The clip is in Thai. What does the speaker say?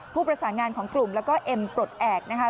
ผู้ประสานงานของกลุ่มแล้วก็เอ็มปลดแอบนะคะ